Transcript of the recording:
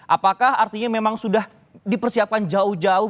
apakah artinya memang sudah dipersiapkan jauh jauh